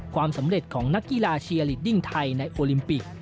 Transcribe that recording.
ความสำเร็จของนักกีฬาเชียร์ลีดดิ้งไทยในโอลิมปิก